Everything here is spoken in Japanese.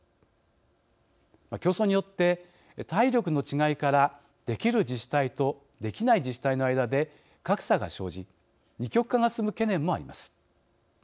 競争によって体力の違いから、できる自治体とできない自治体の間で格差が生じ二極化が進む懸念もあります。